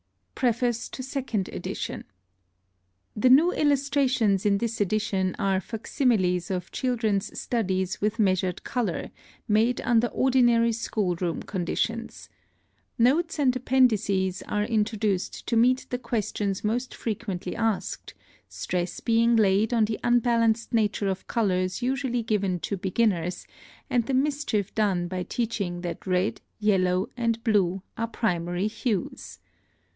PREFACE TO SECOND EDITION. The new illustrations in this edition are facsimiles of children's studies with measured color, made under ordinary school room conditions. Notes and appendices are introduced to meet the questions most frequently asked, stress being laid on the unbalanced nature of colors usually given to beginners, and the mischief done by teaching that red, yellow, and blue are primary hues.